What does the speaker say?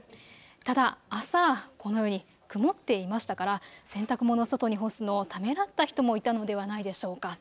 ただ朝このように曇っていましたから洗濯物を外に干すのをためらった人もいたのではないでしょうか。